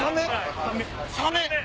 サメ。